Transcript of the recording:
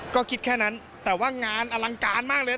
ก็คิดแค่นั้นแต่ว่างานอลังการมากเลย